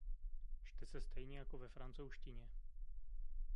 Čte se stejně jako ve francouzštině.